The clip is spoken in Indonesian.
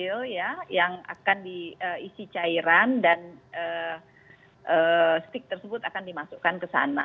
ada botol kecil ya yang akan diisi cairan dan stick tersebut akan dimasukkan ke sana